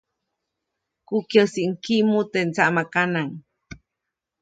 Kukyäjsiʼuŋ kiʼmu teʼ ndsaʼmakanaʼŋ.